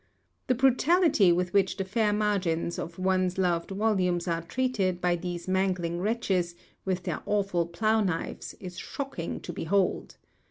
The brutality with which the fair margins of one's loved volumes are treated by these mangling wretches with their awful plough knives is shocking to behold.